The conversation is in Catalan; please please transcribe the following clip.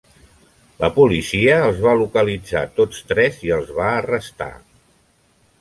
La policia els va localitzar tots tres i els va arrestar.